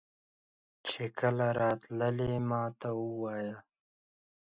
چې کله راتلې ماته وایه.